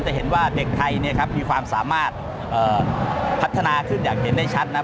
จะเห็นว่าเด็กไทยมีความสามารถพัฒนาถึงอยากเห็นได้ชัดนะครับ